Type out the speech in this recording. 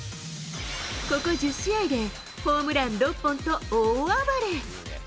ここ１０試合でホームラン６本と大暴れ。